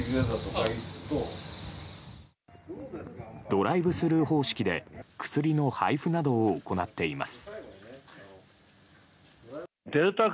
ドライブスルー方式で薬の配布などを行っています。